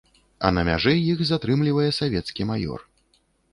А на мяжы іх затрымлівае савецкі маёр.